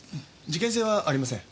事件性はありません。